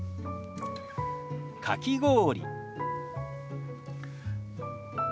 「かき氷」。